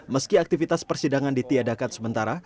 meski aktivitas persidangan ditiadakan sementara